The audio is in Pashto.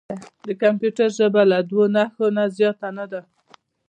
د کمپیوټر ژبه له دوه نښو نه زیاته نه ده.